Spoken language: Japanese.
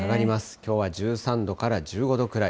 きょうは１３度から１５度くらい。